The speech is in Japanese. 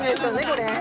これ」